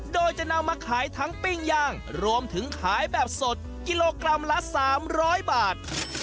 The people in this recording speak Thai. โดยจะนำมาขายทั้งปิ้งย่างรวมถึงขายแบบสดกิโลกรัมละ๓๐๐บาท